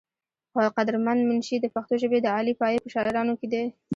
قدر مند منشي د پښتو ژبې د اعلى پائي پۀ شاعرانو کښې دے ۔